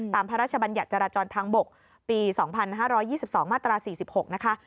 พระราชบัญญัติจราจรทางบกปี๒๕๒๒มาตรา๔๖นะคะ